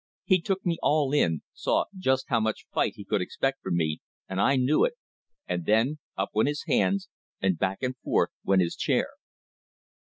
He took me all in, saw just how much fight he could expect from me, and I knew it, and then up went his hands and back and forth went his chair."